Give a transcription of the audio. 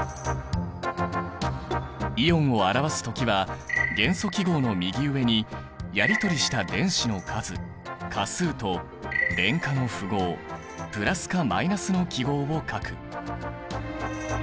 イオンを表す時は元素記号の右上にやりとりした電子の数価数と電荷の符号プラスかマイナスの記号を書く。